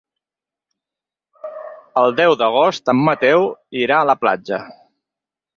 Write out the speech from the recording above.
El deu d'agost en Mateu irà a la platja.